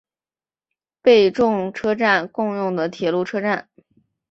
贝冢车站共用的铁路车站。